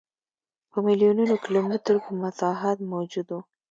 په میلیونونو کیلومترو په مساحت موجود و.